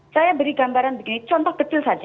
saya beri gambaran begini contoh kecil saja